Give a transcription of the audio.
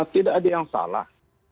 tidak ada yang salah